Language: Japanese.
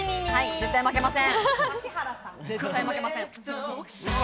絶対負けません。